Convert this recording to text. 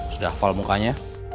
sudah hafal mukanya